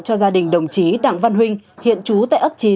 cho gia đình đồng chí đặng văn huynh hiện trú tại ấp chín